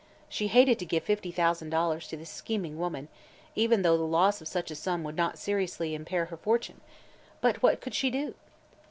She hated to give fifty thousand dollars to this scheming woman, even though the loss of such a sum would not seriously impair her fortune. But what could she do?